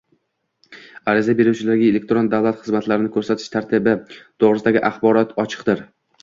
Ariza beruvchilarga elektron davlat xizmatlari ko‘rsatish tartibi to‘g‘risidagi axborot ochiqdir